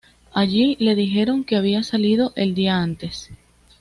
Allí le dijeron que había salido el día antes.